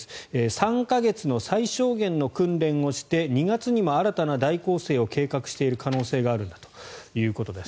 ３か月の最小限の訓練をして２月にも新たな大攻勢を計画している可能性があるんだということです。